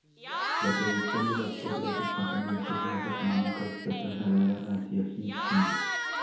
La producción de baterías y componentes más económicos fue trasladada a Tianjin, China.